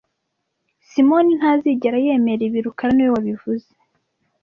Simoni ntazigera yemera ibi rukara niwe wabivuze